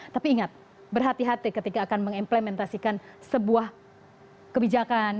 tapi ingat berhati hati ketika akan mengimplementasikan sebuah kebijakan